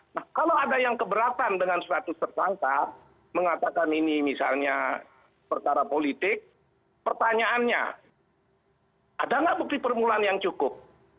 nah kalau ada yang keberatan dengan status tersangka mengatakan ini misalnya perkara politik pertanyaannya ada nggak bukti permulaan yang cukup